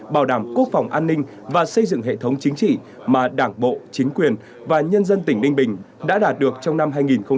bảo đảm quốc phòng an ninh và xây dựng hệ thống chính trị mà đảng bộ chính quyền và nhân dân tỉnh ninh bình đã đạt được trong năm hai nghìn một mươi tám